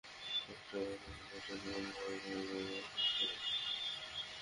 একটা রোগ হয়েছে, যেটা জীবনভর বয়ে বেড়াতে হবে।